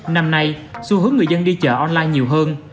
năm nay xu hướng người dân đi chợ online nhiều hơn